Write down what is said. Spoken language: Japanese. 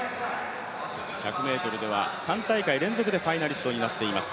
１００ｍでは３大会連続でファイナリストになっています。